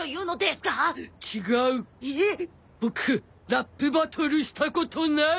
ボクラップバトルしたことない！